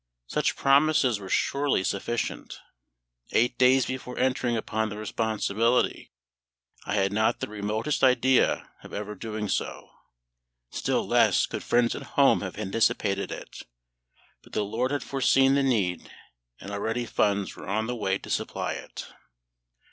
Such promises were surely sufficient. Eight days before entering upon this responsibility I had not the remotest idea of ever doing so; still less could friends at home have anticipated it. But the LORD had foreseen the need, and already funds were on the way to supply it.